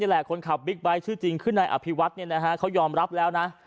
แหละคนขับบิ๊กไบท์ชื่อจริงคือนายอภิวัฒน์เขายอมรับแล้วนะ